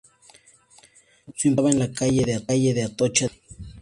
Su imprenta estaba en la calle de Atocha de Madrid.